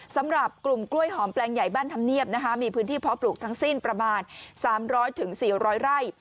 สำหรับกลุ่มกล้วยหอมแปลงใหญ่บ้านธรรมเนียบนะคะมีพื้นที่เพาะปลูกทั้งสิ้นประมาณ๓๐๐๔๐๐ไร่